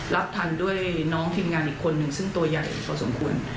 รับทันด้วยน้องทีมงานอีกคนนึงซึ่งตัวใหญ่พอสมควร